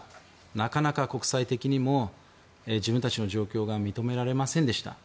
なかなか国際的にも自分たちの状況が認められませんでした。